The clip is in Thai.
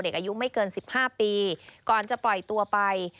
อายุไม่เกิน๑๕ปีก่อนจะปล่อยตัวไป